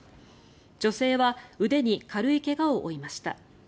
女性は腕に軽い怪我を負いました。